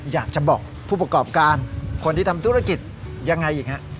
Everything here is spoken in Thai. อยากจะบอกผู้ประกอบการคนที่ทำธุรกิจยังไงอีกฮะ